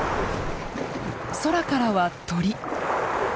空からは鳥。